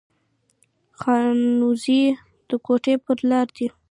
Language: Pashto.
خانوزۍ د کوټي پر لار ده